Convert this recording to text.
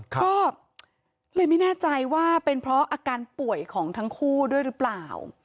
ก็เลยไม่แน่ใจว่าเป็นเพราะอาการป่วยของทั้งคู่ด้วยหรือเปล่า